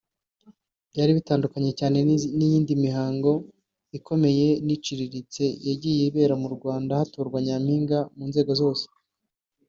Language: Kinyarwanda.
Byari bitandukanye cyane n’indi mihango [ikomeye n’iciriritse] yagiye ibera mu Rwanda hatorwa Nyampinga mu nzego zose